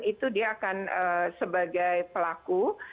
itu dia akan sebagai pelaku